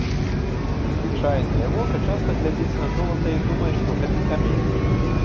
Звычайнае вока часта глядзіць на золата і думае, што гэта камень.